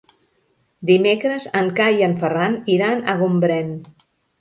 Dimecres en Cai i en Ferran iran a Gombrèn.